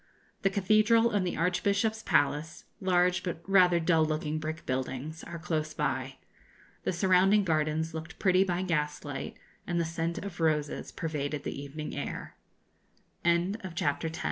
The cathedral and the archbishop's palace, large but rather dull looking brick buildings, are close by. The surrounding gardens looked pretty by gaslight, and the scent of roses pervaded the evening ai